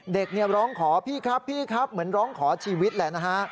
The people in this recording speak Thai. เด็กเนี่ยร้องขอพี่ครับพี่ครับเหมือนร้องขอชีวิตแหละนะฮะ